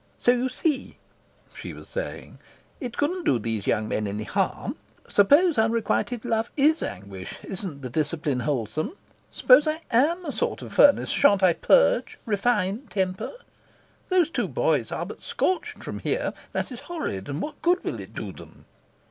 "So you see," she was saying, "it couldn't do those young men any harm. Suppose unrequited love IS anguish: isn't the discipline wholesome? Suppose I AM a sort of furnace: shan't I purge, refine, temper? Those two boys are but scorched from here. That is horrid; and what good will it do them?"